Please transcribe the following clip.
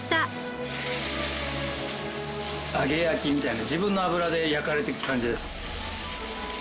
揚げ焼きみたいな自分の脂で焼かれていく感じです。